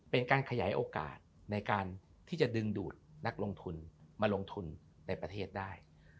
เป็นการขยายโอกาสในการที่จะดึงดูดนักลงทุนมาลงทุนในประเทศได้